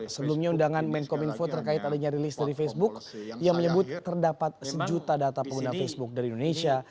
sebelumnya undangan menkom info terkait adanya rilis dari facebook yang menyebut terdapat sejuta data pengguna facebook dari indonesia